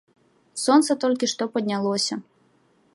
Сонца толькі што паднялося.